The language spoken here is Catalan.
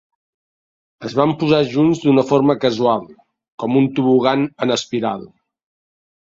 Es van posar junts d'una forma casual, com un tobogan en espiral.